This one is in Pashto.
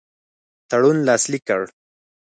تړون لاسلیک کړ.